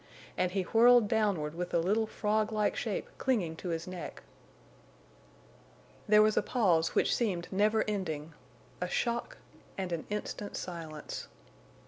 And he whirled downward with the little frog like shape clinging to his neck! There was a pause which seemed never ending, a shock, and an instant's silence.